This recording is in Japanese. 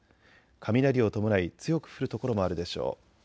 雷を伴い強く降る所もあるでしょう。